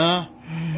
うん。